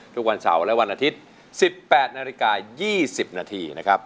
ทุกวันเสาร์และวันอาทิตย์๑๘นาฬิกา๒๐นาทีนะครับ